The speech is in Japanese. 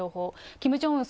キム・ジョンウン